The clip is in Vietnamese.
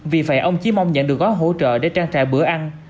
vì vậy ông chỉ mong nhận được gói hỗ trợ để trang trải bữa ăn